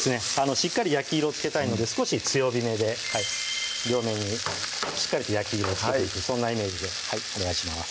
しっかり焼き色をつけたいので少し強火めで両面にしっかりと焼き色をつけていくそんなイメージでお願いします